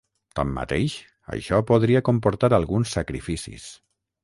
Tanmateix, això podria comportar alguns sacrificis.